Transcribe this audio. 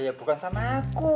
ya bukan sama aku